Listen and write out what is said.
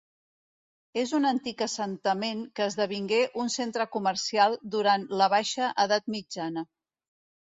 És un antic assentament que esdevingué un centre comercial durant la baixa Edat Mitjana.